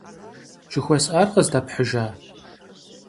Жыхуэсӏар къыздэпхьыжа?